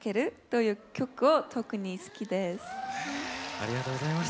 ありがとうございます。